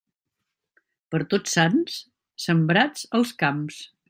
Per Tots Sants, sembrats els camps.